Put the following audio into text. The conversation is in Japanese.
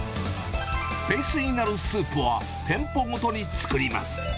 ベースになるスープは、店舗ごとに作ります。